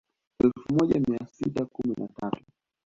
Elfu moja mia sita kumi na tatu